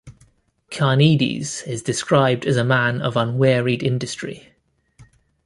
Carneades is described as a man of unwearied industry.